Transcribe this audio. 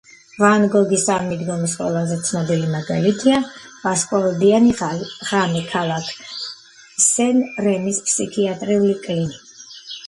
ვან გოგის ამ მიდგომის ყველაზე ცნობილი მაგალითია "ვარსკვლავებიანი ღამე" - ქალაქ სენ-რემის ფსიქიატრიული კლინი